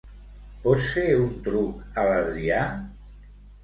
Pots fer un truc a l'Adrià?